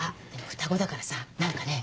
双子だからさ何かね